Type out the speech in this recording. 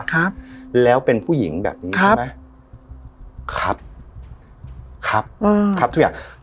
ครับแล้วเป็นผู้หญิงแบบนี้ใช่ไหมครับครับอืมครับทุกอย่าง